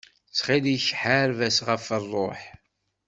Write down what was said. Ttxil-k ḥareb-as ɣef ṛṛuḥ.